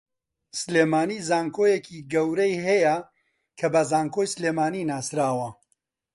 سلێمانی زانکۆیەکی گەورەی ھەیە کە بە زانکۆی سلێمانی ناسراوە